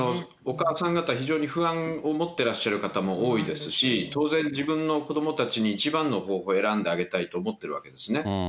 お母さん方、非常に不安を持ってらっしゃる方も多いですし、当然自分の子どもたちに一番の方法を選んであげたいと思っているわけなんですね。